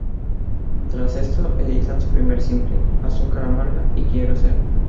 Tras esto, editan su primer simple: "Azúcar amarga" y "Quiero Ser".